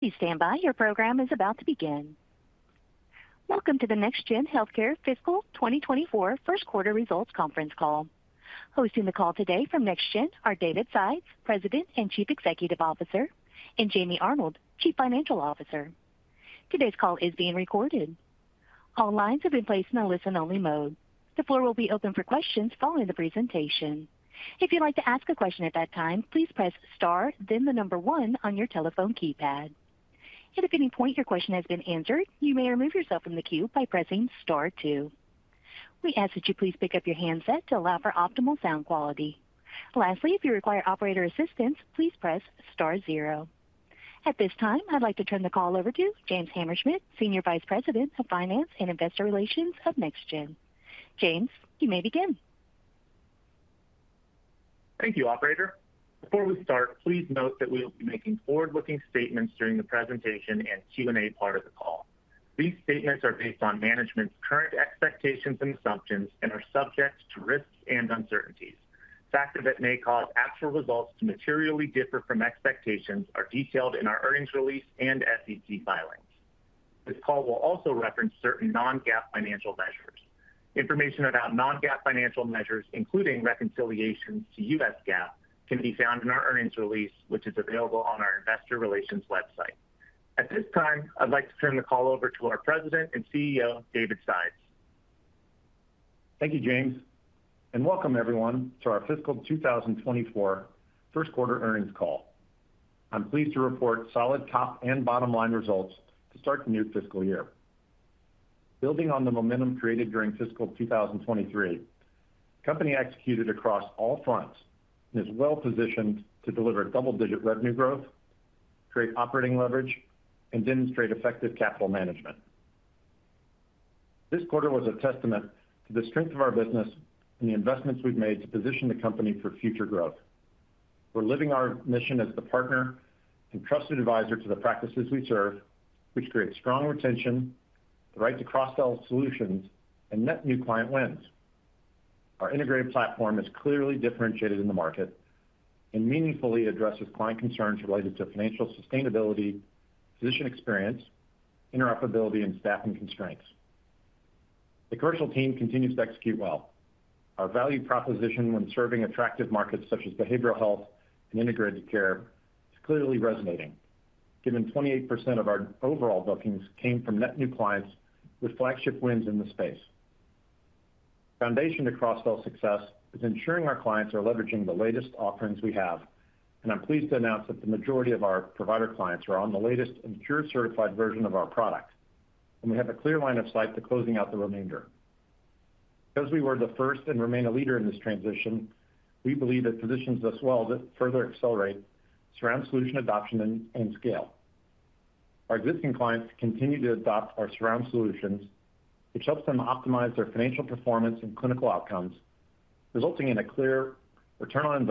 Please stand by, your program is about to begin. Welcome to the NextGen Healthcare Fiscal 2024 first quarter results conference call. Hosting the call today from NextGen are David Sides, President and Chief Executive Officer, and Jamie Arnold, Chief Financial Officer. Today's call is being recorded. All lines have been placed in a listen-only mode. The floor will be open for questions following the presentation. If you'd like to ask a question at that time, please press Star, then the number 1 on your telephone keypad. If at any point your question has been answered, you may remove yourself from the queue by pressing Star 2. We ask that you please pick up your handset to allow for optimal sound quality. Lastly, if you require operator assistance, please press Star zero. At this time, I'd like to turn the call over to James Hammerschmidt, Senior Vice President of Finance and Investor Relations of NextGen. James, you may begin. Thank you, operator. Before we start, please note that we will be making forward-looking statements during the presentation and Q&A part of the call. These statements are based on management's current expectations and assumptions and are subject to risks and uncertainties. Factors that may cause actual results to materially differ from expectations are detailed in our earnings release and SEC filings. This call will also reference certain non-GAAP financial measures. Information about non-GAAP financial measures, including reconciliations to U.S. GAAP, can be found in our earnings release, which is available on our investor relations website. At this time, I'd like to turn the call over to our President and CEO, David Sides. Thank you, James, and welcome everyone to our fiscal 2024 first quarter earnings call. I'm pleased to report solid top and bottom-line results to start the new fiscal year. Building on the momentum created during fiscal 2023, the company executed across all fronts and is well positioned to deliver double-digit revenue growth, create operating leverage, and demonstrate effective capital management. This quarter was a testament to the strength of our business and the investments we've made to position the company for future growth. We're living our mission as the partner and trusted advisor to the practices we serve, which creates strong retention, the right to cross-sell solutions, and net new client wins. Our integrated platform is clearly differentiated in the market and meaningfully addresses client concerns related to financial sustainability, physician experience, interoperability, and staffing constraints. The commercial team continues to execute well. Our value proposition when serving attractive markets such as behavioral health and integrated care is clearly resonating, given 28% of our overall bookings came from net new clients with flagship wins in the space. Foundation to cross-sell success is ensuring our clients are leveraging the latest offerings we have, and I'm pleased to announce that the majority of our provider clients are on the latest and Cures-certified version of our product, and we have a clear line of sight to closing out the remainder. Because we were the first and remain a leader in this transition, we believe it positions us well to further accelerate surround solution adoption and scale. Our existing clients continue to adopt our surround solutions, which helps them optimize their financial performance and clinical outcomes, resulting in a clear ROI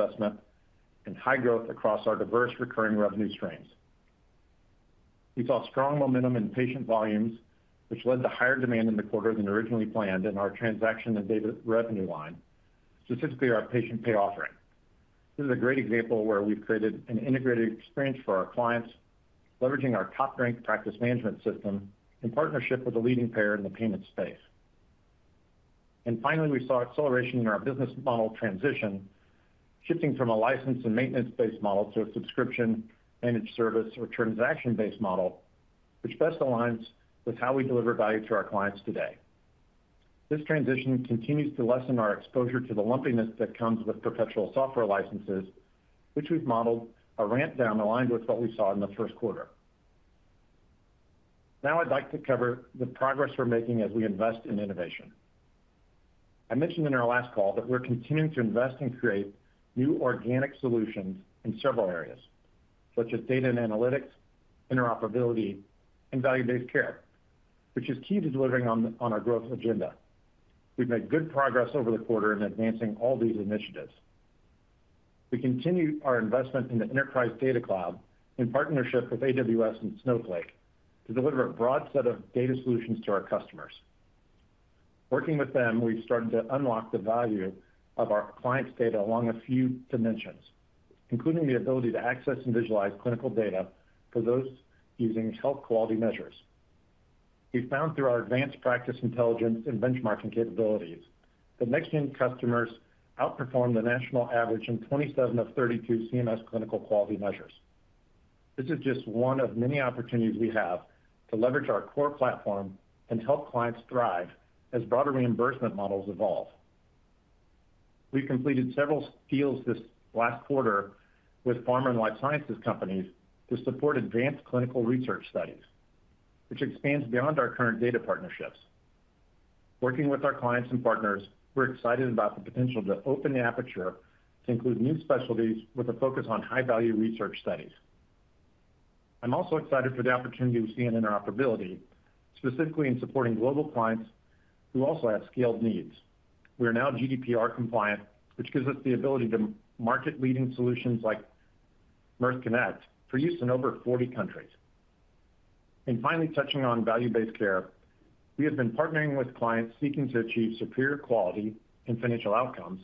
and high growth across our diverse recurring revenue streams. We saw strong momentum in patient volumes, which led to higher demand in the quarter than originally planned in our transaction and data revenue line, specifically our patient pay offering. This is a great example where we've created an integrated experience for our clients, leveraging our top-ranked practice management system in partnership with a leading payer in the payment space. Finally, we saw acceleration in our business model transition, shifting from a license and maintenance-based model to a subscription, managed service, or transaction-based model, which best aligns with how we deliver value to our clients today. This transition continues to lessen our exposure to the lumpiness that comes with perpetual software licenses, which we've modeled a ramp down aligned with what we saw in the first quarter. I'd like to cover the progress we're making as we invest in innovation. I mentioned in our last call that we're continuing to invest and create new organic solutions in several areas, such as data and analytics, interoperability, and value-based care, which is key to delivering on our growth agenda. We've made good progress over the quarter in advancing all these initiatives. We continued our investment in the Enterprise Data Cloud in partnership with AWS and Snowflake to deliver a broad set of data solutions to our customers. Working with them, we've started to unlock the value of our clients' data along a few dimensions, including the ability to access and visualize clinical data for those using health quality measures. We found through our advanced practice intelligence and benchmarking capabilities that NextGen customers outperform the national average in 27 of 32 CMS clinical quality measures. This is just one of many opportunities we have to leverage our core platform and help clients thrive as broader reimbursement models evolve. We completed several deals this last quarter with pharma and life sciences companies to support advanced clinical research studies, which expands beyond our current data partnerships. Working with our clients and partners, we're excited about the potential to open the aperture to include new specialties with a focus on high-value research studies. I'm also excited for the opportunity we see in interoperability, specifically in supporting global clients who also have scaled needs. We are now GDPR compliant, which gives us the ability to market leading solutions like Mirth Connect for use in over 40 countries. Finally, touching on value-based care, we have been partnering with clients seeking to achieve superior quality and financial outcomes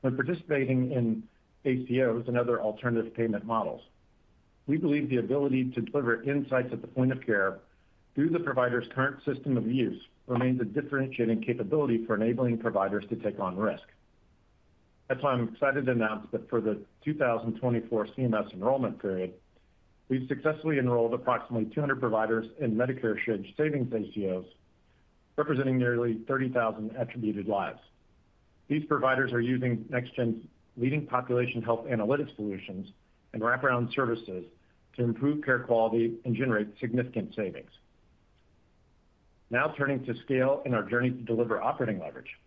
when participating in ACOs and other alternative payment models. We believe the ability to deliver insights at the point of care through the provider's current system of use, remains a differentiating capability for enabling providers to take on risk. That's why I'm excited to announce that for the 2024 CMS enrollment period, we've successfully enrolled approximately 200 providers in Medicare Shared Savings ACOs, representing nearly 30,000 attributed lives. These providers are using NextGen's leading population health analytics solutions and wraparound services to improve care quality and generate significant savings. Turning to scale and our journey to deliver operating leverage.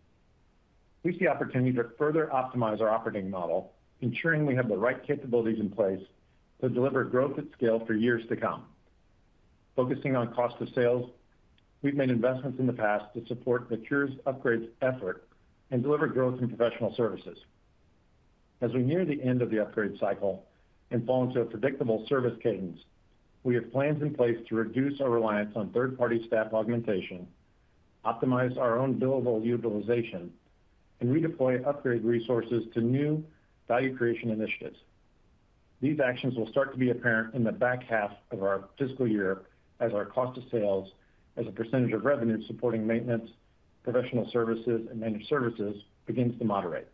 We see opportunity to further optimize our operating model, ensuring we have the right capabilities in place to deliver growth at scale for years to come. Focusing on cost of sales, we've made investments in the past to support mature upgrades effort and deliver growth in professional services. As we near the end of the upgrade cycle and fall into a predictable service cadence, we have plans in place to reduce our reliance on third-party staff augmentation, optimize our own billable utilization, and redeploy upgrade resources to new value creation initiatives. These actions will start to be apparent in the back half of our fiscal year as our cost of sales as a % of revenue, supporting maintenance, professional services, and managed services begins to moderate.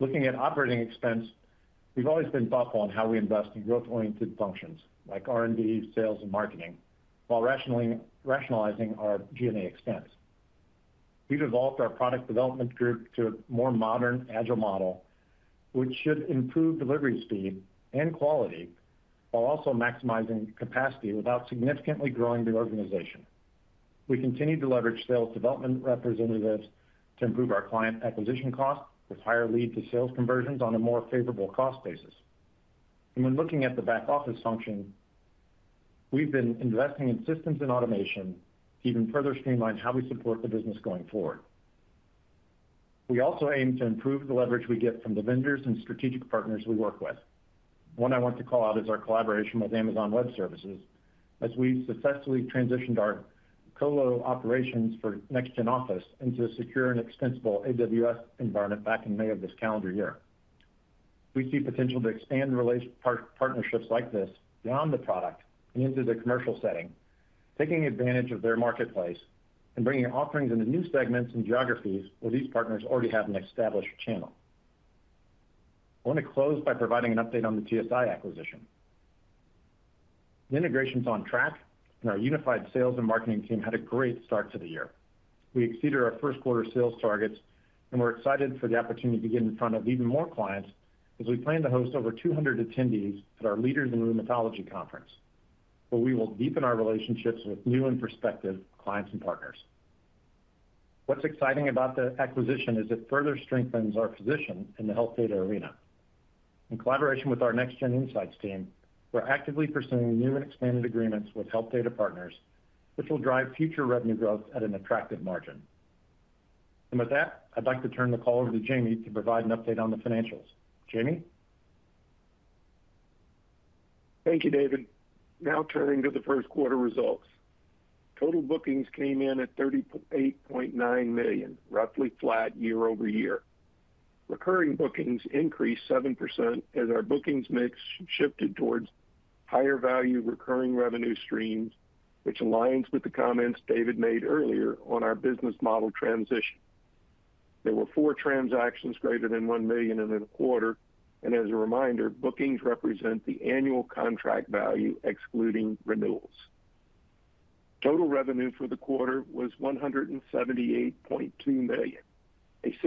Looking at operating expense, we've always been thoughtful on how we invest in growth-oriented functions like R&D, sales, and marketing, while rationalizing our G&A expense. We've evolved our product development group to a more modern, agile model, which should improve delivery speed and quality, while also maximizing capacity without significantly growing the organization. We continue to leverage sales development representatives to improve our client acquisition costs, with higher lead to sales conversions on a more favorable cost basis. When looking at the back office function, we've been investing in systems and automation to even further streamline how we support the business going forward. We also aim to improve the leverage we get from the vendors and strategic partners we work with. One I want to call out is our collaboration with Amazon Web Services, as we successfully transitioned our co-lo operations for NextGen Office into a secure and extensible AWS environment back in May of this calendar year. We see potential to expand partnerships like this beyond the product and into the commercial setting, taking advantage of their marketplace and bringing offerings into new segments and geographies where these partners already have an established channel. I want to close by providing an update on the TSI acquisition. The integration's on track, our unified sales and marketing team had a great start to the year. We exceeded our 1st quarter sales targets, we're excited for the opportunity to get in front of even more clients as we plan to host over 200 attendees at our Leaders in Rheumatology Conference, where we will deepen our relationships with new and prospective clients and partners. What's exciting about the acquisition is it further strengthens our position in the health data arena. In collaboration with our NextGen Insights team, we're actively pursuing new and expanded agreements with health data partners, which will drive future revenue growth at an attractive margin. With that, I'd like to turn the call over to Jamie to provide an update on the financials. Jamie? Thank you, David. Turning to the first quarter results. Total bookings came in at $38.9 million, roughly flat year-over-year. Recurring bookings increased 7% as our bookings mix shifted towards higher value recurring revenue streams, which aligns with the comments David made earlier on our business model transition. There were four transactions greater than $1 million in a quarter. As a reminder, bookings represent the annual contract value, excluding renewals. Total revenue for the quarter was $178.2 million, a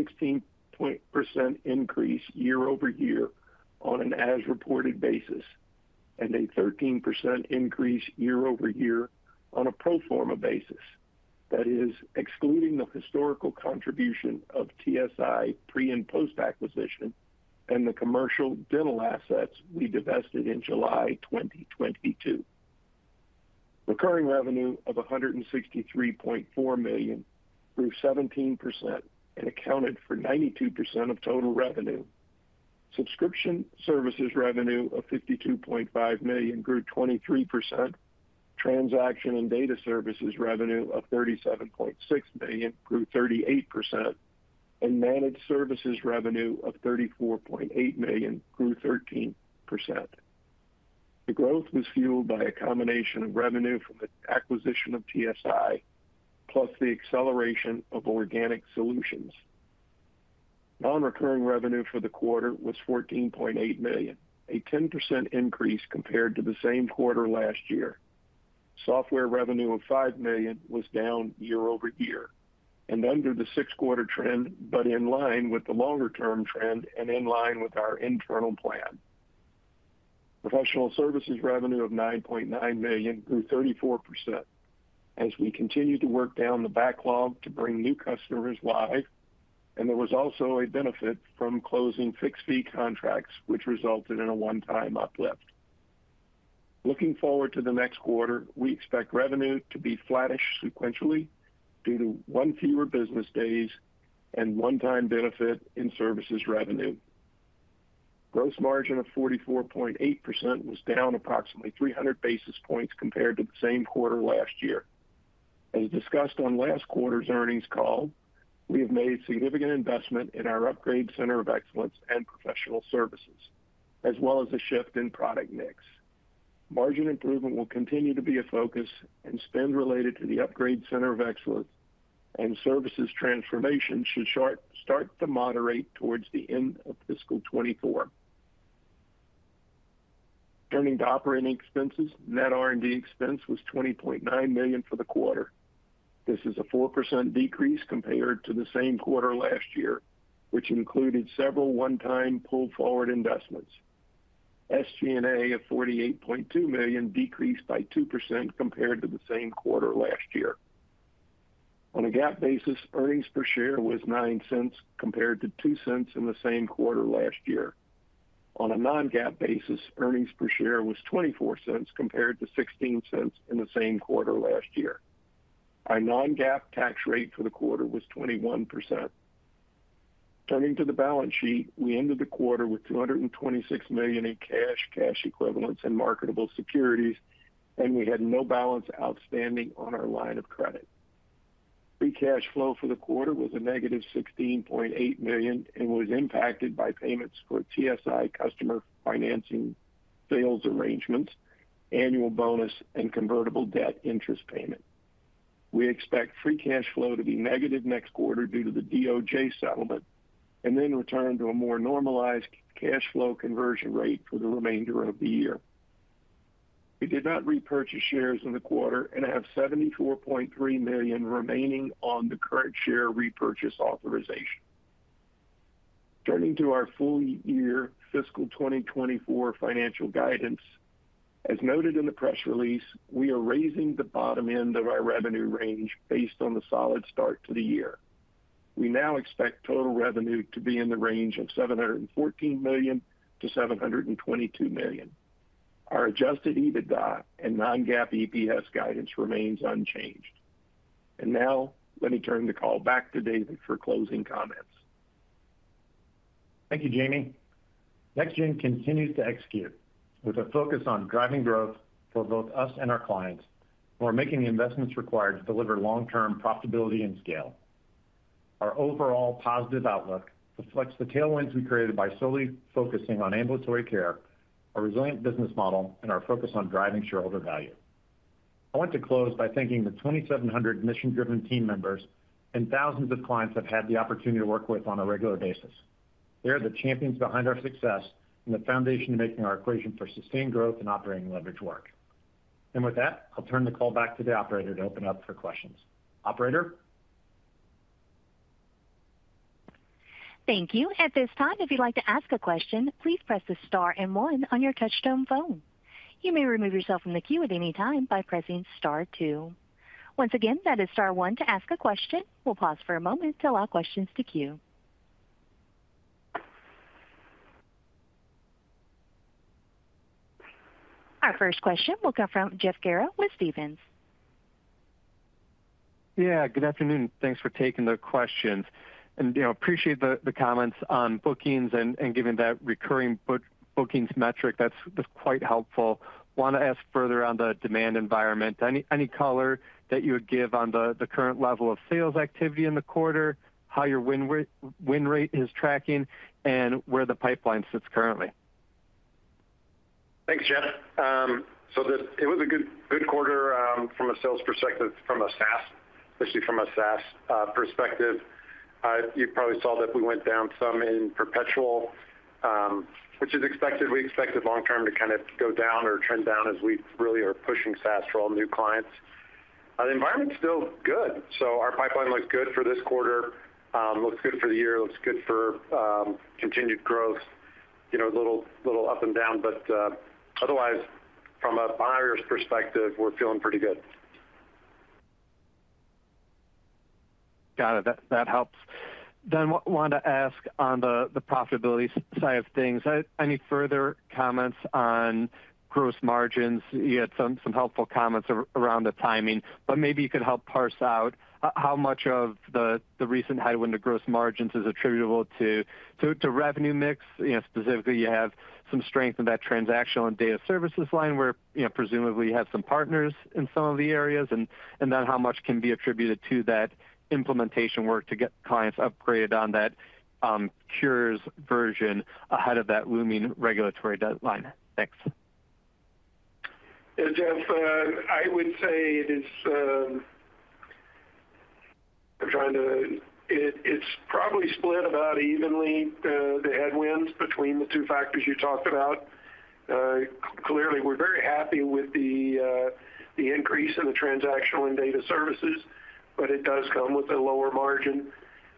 16% increase year-over-year on an as-reported basis. A 13% increase year-over-year on a pro forma basis. That is, excluding the historical contribution of TSI pre- and post-acquisition and the commercial dental assets we divested in July 2022. Recurring revenue of $163.4 million, grew 17% and accounted for 92% of total revenue. Subscription services revenue of $52.5 million, grew 23%. Transaction and data services revenue of $37.6 million, grew 38%. Managed services revenue of $34.8 million, grew 13%. The growth was fueled by a combination of revenue from the acquisition of TSI, plus the acceleration of organic solutions. Non-recurring revenue for the quarter was $14.8 million, a 10% increase compared to the same quarter last year. Software revenue of $5 million was down year-over-year and under the 6-quarter trend, but in line with the longer-term trend and in line with our internal plan. Professional services revenue of $9.9 million, grew 34% as we continue to work down the backlog to bring new customers live, and there was also a benefit from closing fixed-fee contracts, which resulted in a one-time uplift. Looking forward to the next quarter, we expect revenue to be flattish sequentially due to one fewer business days and one-time benefit in services revenue. Gross margin of 44.8% was down approximately 300 basis points compared to the same quarter last year. As discussed on last quarter's earnings call, we have made significant investment in our Upgrade Center of Excellence and professional services, as well as a shift in product mix. Margin improvement will continue to be a focus, and spend related to the Upgrade Center of Excellence and services transformation should start to moderate towards the end of fiscal 2024. Turning to operating expenses, net R&D expense was $20.9 million for the quarter. This is a 4% decrease compared to the same quarter last year, which included several one-time pull forward investments. SG&A of $48.2 million decreased by 2% compared to the same quarter last year. On a GAAP basis, earnings per share was $0.09 compared to $0.02 in the same quarter last year. On a non-GAAP basis, earnings per share was $0.24 compared to $0.16 in the same quarter last year. Our non-GAAP tax rate for the quarter was 21%. Turning to the balance sheet, we ended the quarter with $226 million in cash equivalents, and marketable securities, and we had no balance outstanding on our line of credit. Free cash flow for the quarter was a negative $16.8 million and was impacted by payments for TSI customer financing, sales arrangements, annual bonus, and convertible debt interest payment. We expect free cash flow to be negative next quarter due to the DOJ settlement and then return to a more normalized cash flow conversion rate for the remainder of the year. We did not repurchase shares in the quarter and have $74.3 million remaining on the current share repurchase authorization. Turning to our full year fiscal 2024 financial guidance, as noted in the press release, we are raising the bottom end of our revenue range based on the solid start to the year. We now expect total revenue to be in the range of $714 million-$722 million. Our adjusted EBITDA and non-GAAP EPS guidance remains unchanged. Now, let me turn the call back to David for closing comments. Thank you, Jamie. NextGen continues to execute with a focus on driving growth for both us and our clients, who are making the investments required to deliver long-term profitability and scale. Our overall positive outlook reflects the tailwinds we created by solely focusing on ambulatory care, our resilient business model, and our focus on driving shareholder value. I want to close by thanking the 2,700 mission-driven team members and thousands of clients I've had the opportunity to work with on a regular basis. They are the champions behind our success and the foundation to making our equation for sustained growth and operating leverage work. With that, I'll turn the call back to the Operator to open up for questions. Operator? Thank you. At this time, if you'd like to ask a question, please press the star and 1 on your touchtone phone. You may remove yourself from the queue at any time by pressing star 2. Once again, that is star 1 to ask a question. We'll pause for a moment to allow questions to queue. Our first question will come from Jeff Garro with Stephens. Yeah, good afternoon. Thanks for taking the questions, and, you know, appreciate the comments on bookings and giving that recurring bookings metric. That's quite helpful. Want to ask further on the demand environment, any color that you would give on the current level of sales activity in the quarter, how your win rate is tracking, and where the pipeline sits currently? Thanks, Jeff. It was a good quarter, from a sales perspective, from a SaaS, especially from a SaaS perspective. You probably saw that we went down some in perpetual, which is expected. We expect it long term to kind of go down or trend down as we really are pushing SaaS for all new clients. The environment's still good, our pipeline looks good for this quarter, looks good for the year, looks good for continued growth, you know, a little up and down, otherwise, from a buyer's perspective, we're feeling pretty good. Got it. That helps. Want to ask on the profitability side of things, any further comments on gross margins? You had some helpful comments around the timing, but maybe you could help parse out how much of the recent headwind to gross margins is attributable to revenue mix. You know, specifically, you have some strength in that transactional and data services line, where, you know, presumably you have some partners in some of the areas, and then how much can be attributed to that implementation work to get clients upgraded on that Cures version ahead of that looming regulatory deadline? Thanks. Yeah, Jeff, I would say it is probably split about evenly, the headwinds between the two factors you talked about. Clearly, we're very happy with the increase in the transactional and data services, but it does come with a lower margin.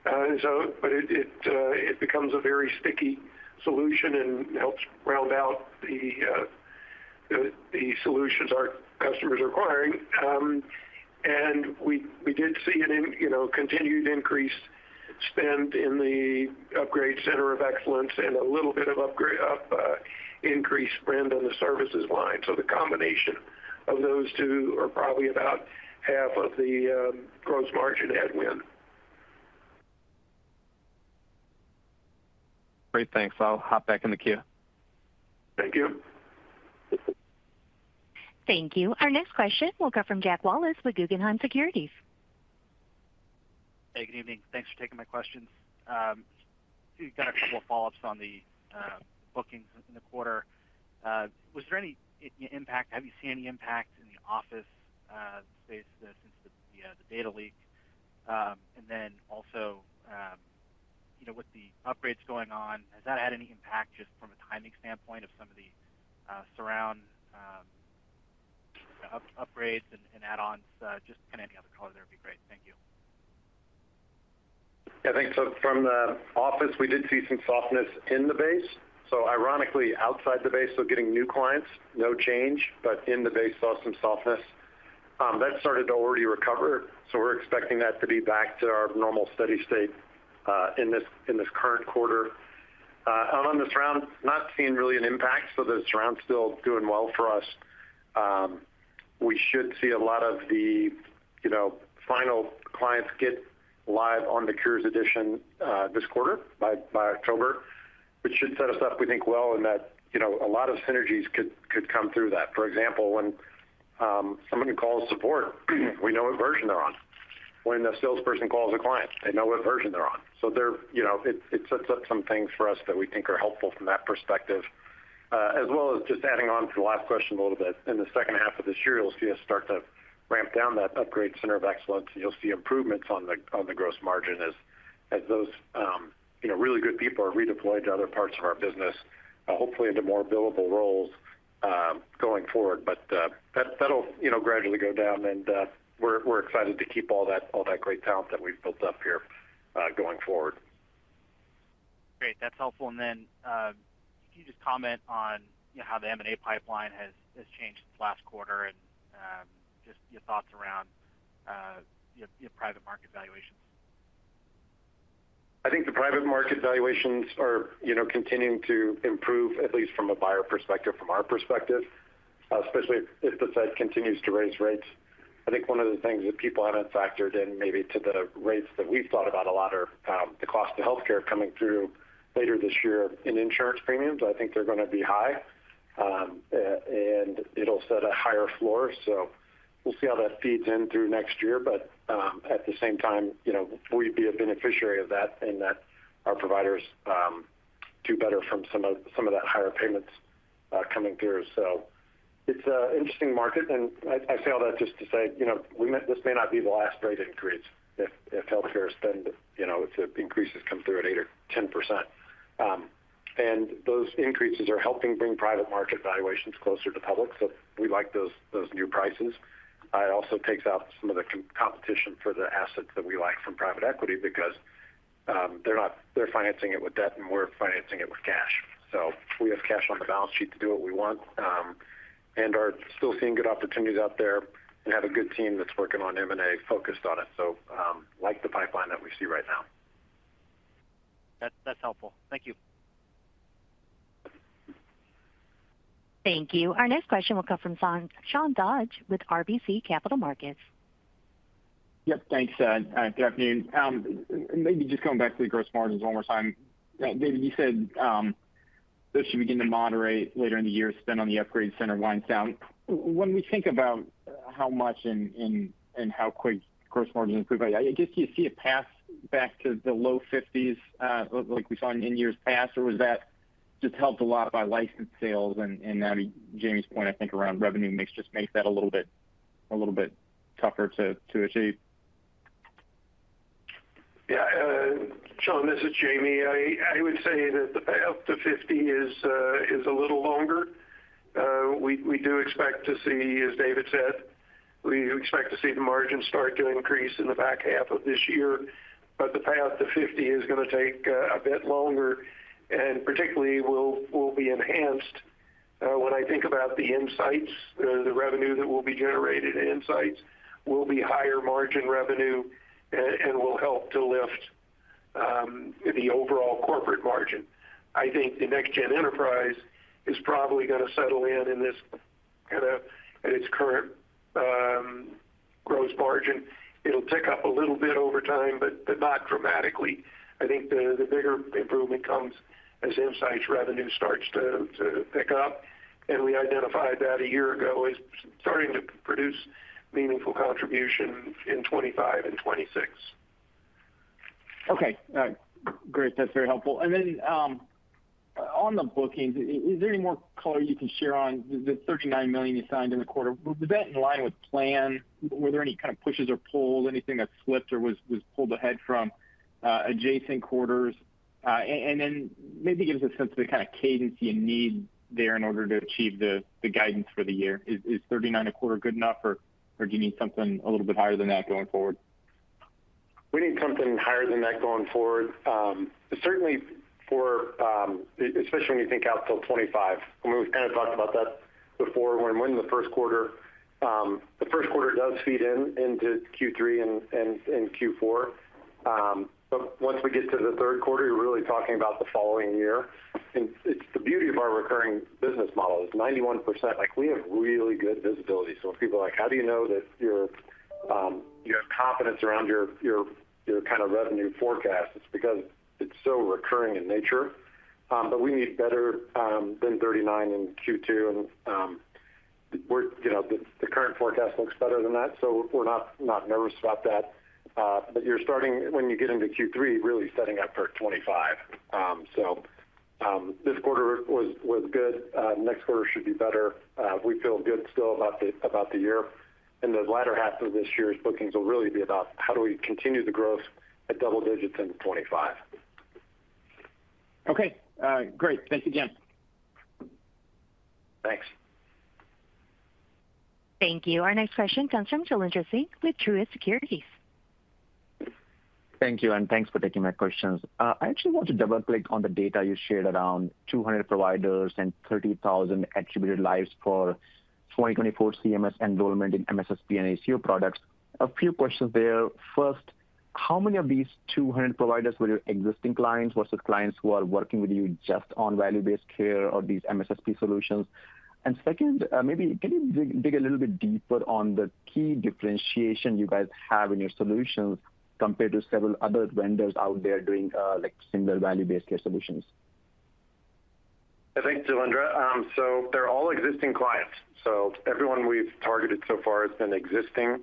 It becomes a very sticky solution and helps round out the solutions our customers are requiring. We did see continued increase spend in the Upgrade Center of Excellence and a little bit of increased spend on the services line. The combination of those two are probably about half of the gross margin headwind. Great, thanks. I'll hop back in the queue. Thank you. Thank you. Our next question will come from Jack Wallace with Guggenheim Securities. Hey, good evening. Thanks for taking my questions. You've got a couple of follow-ups on the bookings in the quarter. Have you seen any impact in the office space since the data leak? You know, with the upgrades going on, has that had any impact just from a timing standpoint of some of the surround upgrades and add-ons, just any other color there would be great. Thank you. Yeah, I think so from the NextGen Office, we did see some softness in the base. Ironically, outside the base, so getting new clients, no change, but in the base, saw some softness. That started to already recover, so we're expecting that to be back to our normal steady state, in this current quarter. On the surround, not seeing really an impact, so the surround's still doing well for us. We should see a lot of the, you know, final clients get live on the Cures Edition, this quarter by October, which should set us up, we think, well, in that, you know, a lot of synergies could come through that. When someone calls support, we know what version they're on. When a salesperson calls a client, they know what version they're on. They're, you know, it sets up some things for us that we think are helpful from that perspective. As well as just adding on to the last question a little bit, in the second half of this year, you'll see us start to ramp down that Upgrade Center of Excellence, and you'll see improvements on the gross margin as those, you know, really good people are redeployed to other parts of our business, hopefully into more billable roles, going forward. That'll, you know, gradually go down, and we're excited to keep all that great talent that we've built up here, going forward. Great, that's helpful. Can you just comment on, you know, how the M&A pipeline has changed since last quarter and, just your thoughts around your private market valuations? I think the private market valuations are, you know, continuing to improve, at least from a buyer perspective, from our perspective, especially if the Fed continues to raise rates. I think one of the things that people haven't factored in, maybe to the rates that we've thought about a lot, are the cost of healthcare coming through later this year in insurance premiums. I think they're gonna be high, it'll set a higher floor, so we'll see how that feeds in through next year. At the same time, you know, we'd be a beneficiary of that in that our providers do better from some of that higher payments coming through. It's an interesting market, and I say all that just to say, you know, this may not be the last rate increase if healthcare spend, you know, if the increases come through at 8% or 10%. And those increases are helping bring private market valuations closer to public, so we like those new prices. It also takes out some of the competition for the assets that we like from private equity because they're financing it with debt, and we're financing it with cash. We have cash on the balance sheet to do what we want and are still seeing good opportunities out there and have a good team that's working on M&A focused on it. Like the pipeline that we see right now. That's helpful. Thank you. Thank you. Our next question will come from Sean Dodge with RBC Capital Markets. Yep, thanks, good afternoon. Maybe just going back to the gross margins one more time. David, you said, this should begin to moderate later in the year, spend on the Upgrade Center winds down. When we think about how much and how quick gross margins improve, I guess, do you see a path back to the low 50s, like we saw in years past, or was that just helped a lot by licensed sales? Now Jamie's point, I think, around revenue mix, just makes that a little bit tougher to achieve. Yeah, Sean, this is Jamie. I would say that the path to 50 is a little longer. We do expect to see, as David said, we expect to see the margins start to increase in the back half of this year. The path to 50 is gonna take a bit longer and particularly will be enhanced. When I think about the Insights, the revenue that will be generated, Insights will be higher margin revenue and will help to lift the overall corporate margin. I think the NextGen Enterprise is probably gonna settle in this kinda at its current gross margin. It'll tick up a little bit over time, but not dramatically. I think the bigger improvement comes as insights revenue starts to pick up. We identified that a year ago as starting to produce meaningful contribution in 2025 and 2026. Okay, great. That's very helpful. On the bookings, is there any more color you can share on the $39 million you signed in the quarter? Was that in line with plan? Were there any kind of pushes or pulls, anything that slipped or was pulled ahead from adjacent quarters? Then maybe give us a sense of the kind of cadence you need there in order to achieve the guidance for the year. Is $39 a quarter good enough, or do you need something a little bit higher than that going forward? We need something higher than that going forward. Certainly for, especially when you think out till 25, and we've kind of talked about that before, when the first quarter does feed in into Q3 and Q4. Once we get to the third quarter, you're really talking about the following year. It's the beauty of our recurring business model is 91%. Like, we have really good visibility. When people are like: How do you know that you're, you have confidence around your kind of revenue forecast? It's because it's so recurring in nature, but we need better than 39 in Q2. We're, you know, the current forecast looks better than that, so we're not nervous about that. When you get into Q3, really setting up for 2025. This quarter was good. Next quarter should be better. We feel good still about the year. The latter half of this year's bookings will really be about how do we continue the growth at double digits into 2025. Okay. great. Thanks again. Thanks. Thank you. Our next question comes from Jailendra Singh with Truist Securities. Thank you. Thanks for taking my questions. I actually want to double-click on the data you shared around 200 providers and 30,000 attributed lives for 2024 CMS enrollment in MSSP and ACO products. A few questions there. First, how many of these 200 providers were your existing clients versus clients who are working with you just on value-based care or these MSSP solutions? Second, maybe can you dig a little bit deeper on the key differentiation you guys have in your solutions compared to several other vendors out there doing similar value-based care solutions? Thanks, Jailendra. They're all existing clients, so everyone we've targeted so far has been existing.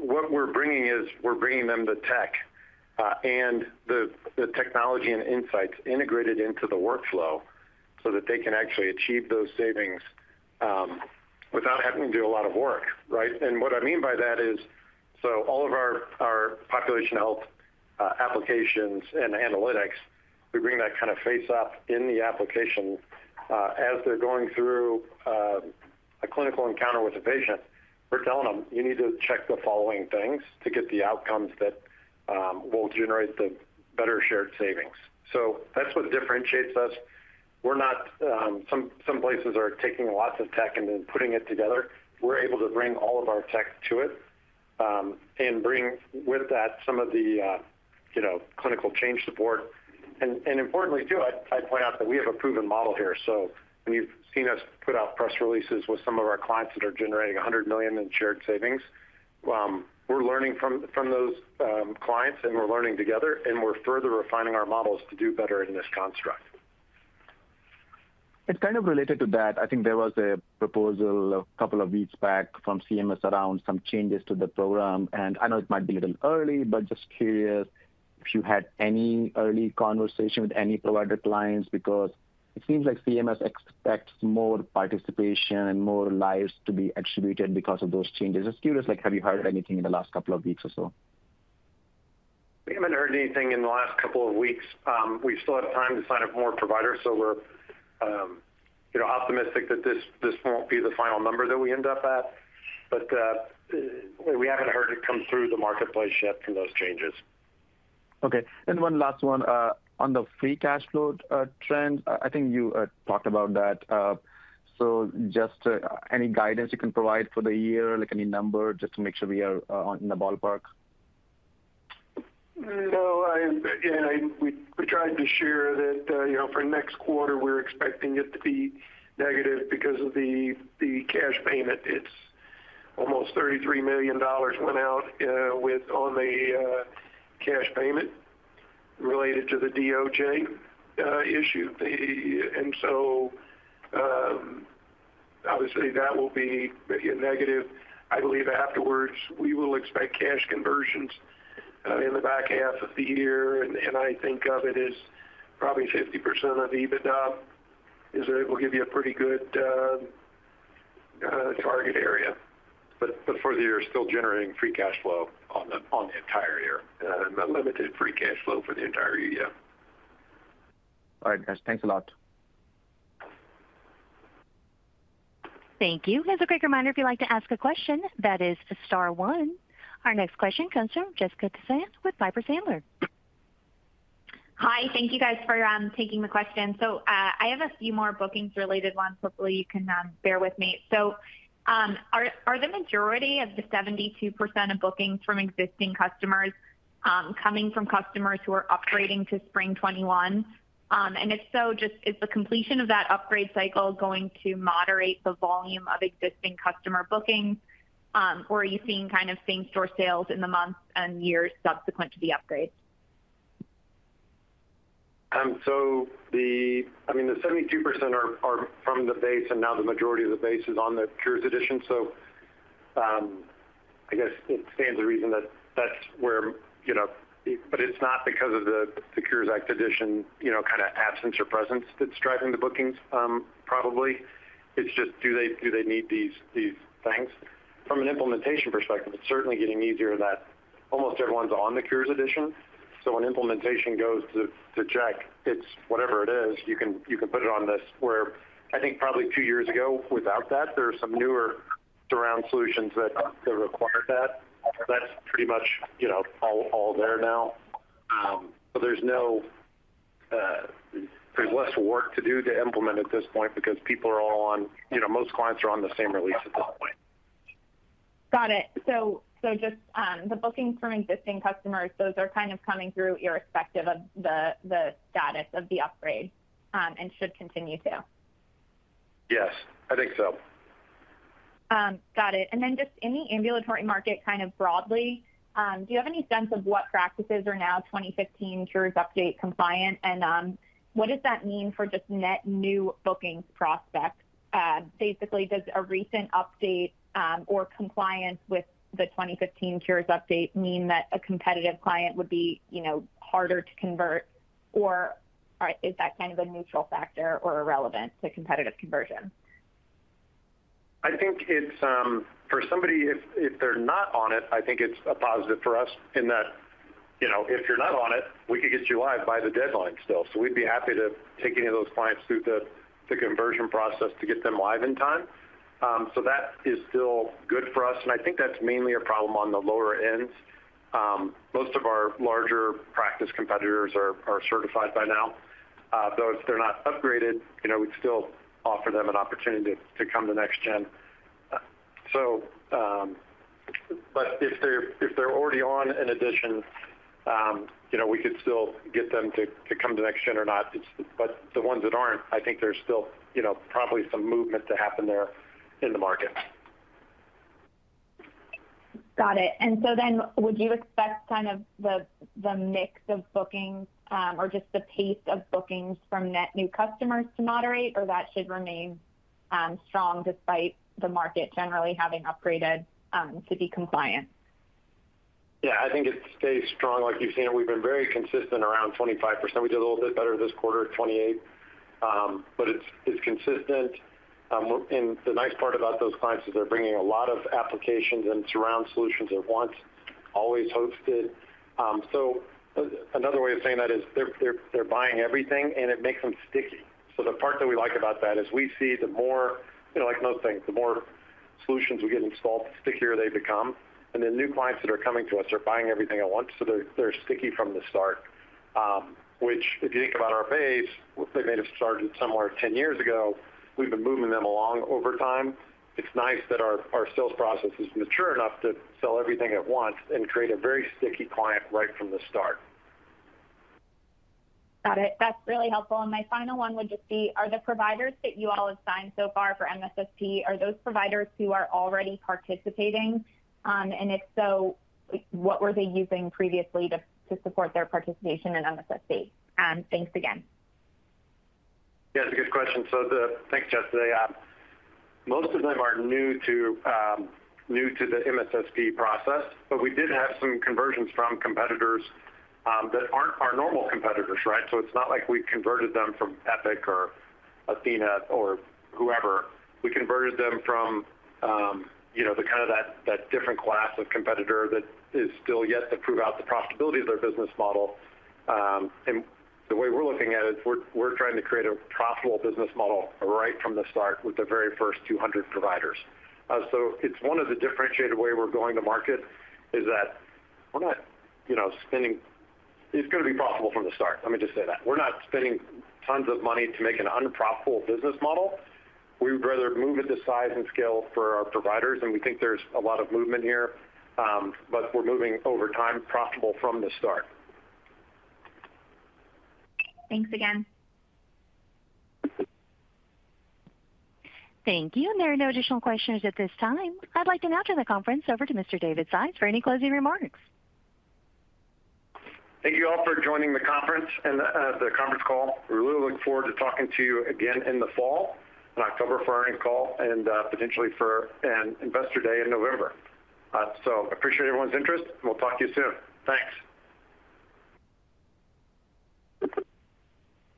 What we're bringing is, we're bringing them the tech, and the technology and insights integrated into the workflow so that they can actually achieve those savings, without having to do a lot of work, right? What I mean by that is, so all of our population health applications and analytics, we bring that kind of face up in the application. As they're going through, a clinical encounter with a patient, we're telling them, "You need to check the following things to get the outcomes that will generate the better shared savings." That's what differentiates us. We're not... Some places are taking lots of tech and then putting it together. We're able to bring all of our tech to it, and bring with that some of the, you know, clinical change support. Importantly, too, I'd point out that we have a proven model here. When you've seen us put out press releases with some of our clients that are generating $100 million in shared savings, we're learning from those clients, and we're learning together, and we're further refining our models to do better in this construct. It's kind of related to that. I think there was a proposal a couple of weeks back from CMS around some changes to the program. I know it might be a little early, just curious if you had any early conversation with any provider clients, because it seems like CMS expects more participation and more lives to be attributed because of those changes. Just curious, like, have you heard anything in the last couple of weeks or so? We haven't heard anything in the last couple of weeks. We still have time to sign up more providers, so we're, you know, optimistic that this won't be the final number that we end up at, but we haven't heard it come through the marketplace yet from those changes. Okay, one last one. On the free cash flow trend, I think you talked about that. Just any guidance you can provide for the year, like any number, just to make sure we are on in the ballpark? No, I, yeah, we tried to share that, you know, for next quarter, we're expecting it to be negative because of the cash payment. It's almost $33 million went out with on the cash payment related to the DOJ issue. Obviously, that will be a negative. I believe afterwards, we will expect cash conversions in the back half of the year, and I think of it as probably 50% of EBITDA, is that it will give you a pretty good target area. For the year, still generating free cash flow on the entire year, limited free cash flow for the entire year. All right, guys. Thanks a lot. Thank you. As a quick reminder, if you'd like to ask a question, that is star one. Our next question comes from Jessica Tassan with Piper Sandler. Hi. Thank you, guys, for taking the question. I have a few more bookings-related ones. Hopefully, you can bear with me. Are the majority of the 72% of bookings from existing customers coming from customers who are upgrading to Spring '21? If so, just is the completion of that upgrade cycle going to moderate the volume of existing customer bookings, or are you seeing kind of same-store sales in the months and years subsequent to the upgrade? I mean, the 72% are from the base, and now the majority of the base is on the Cures Edition. I guess it stands to reason that that's where, you know, but it's not because of the Cures Act Edition, you know, kind of absence or presence that's driving the bookings, probably. It's just, do they need these things? From an implementation perspective, it's certainly getting easier that almost everyone's on the Cures Edition. When implementation goes to check, it's whatever it is, you can, you can put it on this, where I think probably two years ago, without that, there were some newer surround solutions that required that. That's pretty much, you know, all there now. there's no, there's less work to do to implement at this point because people are all on, you know, most clients are on the same release at this point. Got it. Just, the bookings from existing customers, those are kind of coming through irrespective of the status of the upgrade, and should continue to? Yes, I think so. Got it. Then just in the ambulatory market, kind of broadly, do you have any sense of what practices are now 2015 Cures Update compliant? What does that mean for just net new bookings prospects? Basically, does a recent update, or compliance with the 2015 Cures Update mean that a competitive client would be, you know, harder to convert? Is that kind of a neutral factor or irrelevant to competitive conversion? I think it's for somebody, if they're not on it, I think it's a positive for us in that, you know, if you're not on it, we could get you live by the deadline still. We'd be happy to take any of those clients through the conversion process to get them live in time. That is still good for us, and I think that's mainly a problem on the lower end. Most of our larger practice competitors are certified by now. Though if they're not upgraded, you know, we'd still offer them an opportunity to come to NextGen. If they're already on an edition, you know, we could still get them to come to NextGen or not. The ones that aren't, I think there's still, you know, probably some movement to happen there in the market. Would you expect kind of the mix of bookings, or just the pace of bookings from net new customers to moderate, or that should remain strong despite the market generally having upgraded to be compliant? I think it stays strong. Like you've seen it, we've been very consistent around 25%. We did a little bit better this quarter at 28%. It's consistent. The nice part about those clients is they're bringing a lot of applications and surround solutions at once, always hosted. Another way of saying that is they're buying everything, and it makes them sticky. The part that we like about that is we see the more, you know, like most things, the more solutions we get installed, the stickier they become. The new clients that are coming to us, they're buying everything at once, so they're sticky from the start. If you think about our base, they may have started somewhere 10 years ago. We've been moving them along over time. It's nice that our sales process is mature enough to sell everything at once and create a very sticky client right from the start. Got it. That's really helpful. My final one would just be: Are the providers that you all have signed so far for MSSP, are those providers who are already participating? And if so, what were they using previously to support their participation in MSSP? Thanks again. Yeah, it's a good question. Thanks, Jesse. Most of them are new to, new to the MSSP process, but we did have some conversions from competitors that aren't our normal competitors, right? It's not like we've converted them from Epic or athenahealth or whoever. We converted them from, you know, the kind of that different class of competitor that is still yet to prove out the profitability of their business model. The way we're looking at it, we're trying to create a profitable business model right from the start with the very first 200 providers. It's one of the differentiated way we're going to market is that we're not, you know, It's going to be profitable from the start, let me just say that. We're not spending tons of money to make an unprofitable business model. We would rather move it to size and scale for our providers, and we think there's a lot of movement here, but we're moving over time, profitable from the start. Thanks again. Thank you. There are no additional questions at this time. I'd like to now turn the conference over to Mr. David Sides for any closing remarks. Thank you all for joining the conference and the conference call. We really look forward to talking to you again in the fall, in October for our earnings call and potentially for an investor day in November. Appreciate everyone's interest, and we'll talk to you soon. Thanks.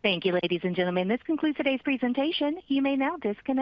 Thank you, ladies and gentlemen. This concludes today's presentation. You may now disconnect.